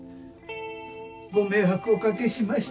ご迷惑お掛けしました。